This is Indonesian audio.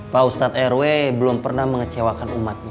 pak ustadz rw belum pernah mengecewakan umatnya